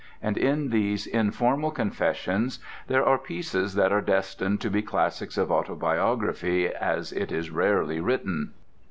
And in these informal confessions there are pieces that are destined to be classics of autobiography as it is rarely written.